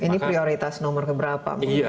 ini prioritas nomor keberapa